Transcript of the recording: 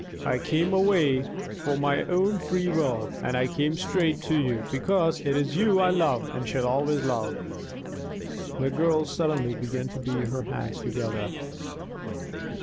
I came away of my own free will; and I came straight to you because it is you I love and shall always love." The girl suddenly began to beat her hands together.